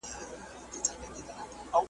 نظرمات ته یې په کار یو ګوندي راسي .